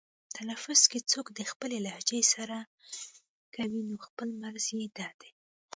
تلفظ که څوک د خپلې لهجې سره کوي نو خپله مرزي یې ده.